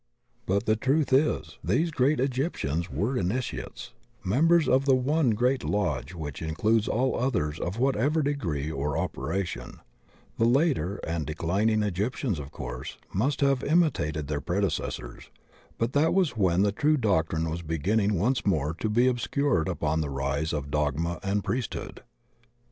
But the truth is, these great Egyptians were Initiates, mem * Bhagavad Glta, Chapter vii. 8 THE OCEAN OF THEOSOPHY bers of the one great lodge which includes all others of whatever degree or operation. The later and declin ing Egyptians, of course, must have imitated dieir predecessors, but that was when the true doctrine was beginning once more to be obscured upon the rise of dogma and priesthood.